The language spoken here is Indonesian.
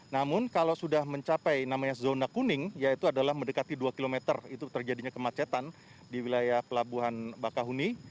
namun kalau sudah mencapai namanya zona kuning yaitu adalah mendekati dua km itu terjadinya kemacetan di wilayah pelabuhan bakahuni